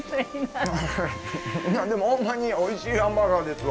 いやでもホンマにおいしいハンバーガーですわ。